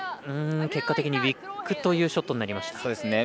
結果的にウィックというショットになりました。